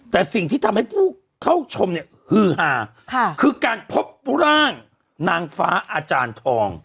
แต่สิ่งที่ทำให้ผู้เข้าชมเนี่ยฮือฮาคือการพบร่างนางฟ้าอาจารย์ทอง